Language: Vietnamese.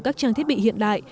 các trang thiết bị hiện đại